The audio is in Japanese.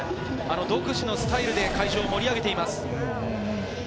独自のスタイルで会場を盛り上げています。